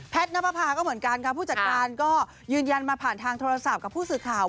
นับประพาก็เหมือนกันค่ะผู้จัดการก็ยืนยันมาผ่านทางโทรศัพท์กับผู้สื่อข่าว